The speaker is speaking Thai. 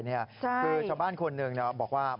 คือชาวบ้านคนหนึ่งบอกว่า